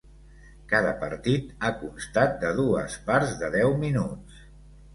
Cada partit ha constat de dues parts de deu minuts.